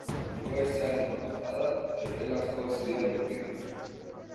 Hego-haizearen bafada epelak jo zidan aurpegian.